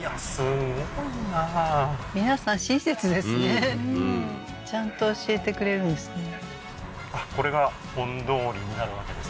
うんうんちゃんと教えてくれるんですね